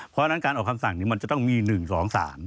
เพราะฉะนั้นการออกคำสั่งนี้มันจะต้องมี๑๒สาร